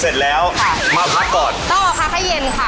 ใช่ค่ะ